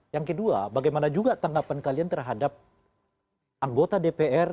yang kedua bagaimana juga tanggapan kalian terhadap anggota dpr